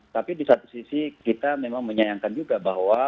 tapi di satu sisi kita memang menyayangkan juga bahwa